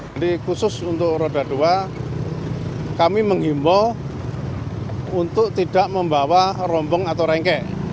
jadi khusus untuk roda dua kami mengimbau untuk tidak membawa rombong atau rengke